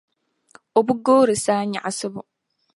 o bi goori saanyaɣisibu.